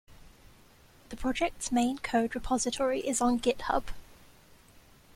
The project's main code repository is on GitHub.